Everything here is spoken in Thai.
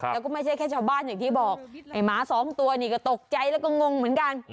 แล้วก็ไม่ใช่แค่ชาวบ้านอย่างที่บอกไอ้หมาสองตัวนี่ก็ตกใจแล้วก็งงเหมือนกัน